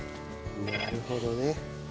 なるほどね。